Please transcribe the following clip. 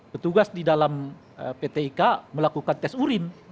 petugas di dalam pt ika melakukan tes urin